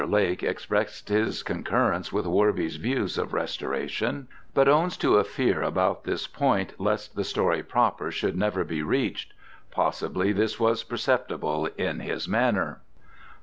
Lake expressed his concurrence with Worby's views of restoration, but owns to a fear about this point lest the story proper should never be reached. Possibly this was perceptible in his manner.